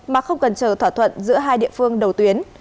mà không cần chờ thỏa thuận giữa hai địa phương đầu tuyến